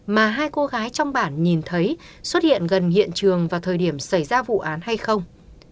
mà hai cô gái trong bản nhìn thấy xuất hiện gần hiện trường vào thời điểm xảy ra vụ án hay không